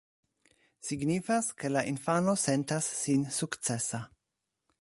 Signifas, ke la infano sentas sin sukcesa.